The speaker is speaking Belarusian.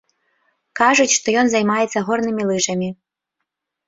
Кажуць, што ён займаецца горнымі лыжамі.